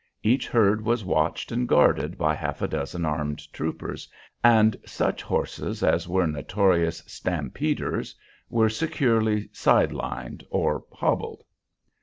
Each herd was watched and guarded by half a dozen armed troopers, and such horses as were notorious "stampeders" were securely "side lined" or hobbled.